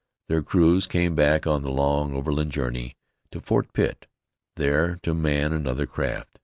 Their crews came back on the long overland journey to Fort Pitt, there to man another craft.